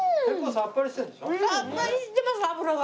さっぱりしてます脂が。